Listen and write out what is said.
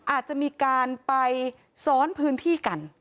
อาจจะมีการไปซ้อนพื้นที่กัน